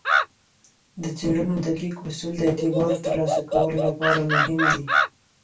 د څیړنو دقیق اصول د اعتبار ترلاسه کولو لپاره مهم دي.